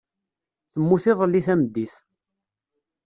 Temmut iḍelli tameddit.